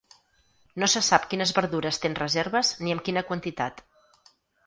No se sap quines verdures té en reserves ni amb quina quantitat.